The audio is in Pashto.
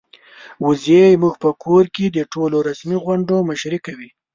وزې زموږ په کور کې د ټولو رسمي غونډو مشري کوي.